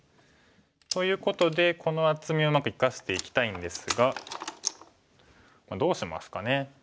ということでこの厚みをうまく生かしていきたいんですがどうしますかね。